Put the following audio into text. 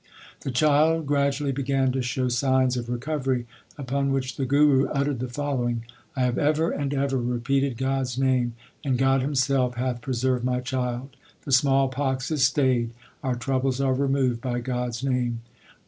1 The child gradually began to show signs of recovery, upon which the Guru uttered the fol lowing : I have ever and ever repeated God s name, And God Himself hath preserved my child. The small pox is stayed ; Our troubles are removed by God s name.